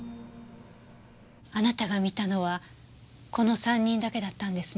あなたが見たのはこの３人だけだったんですね？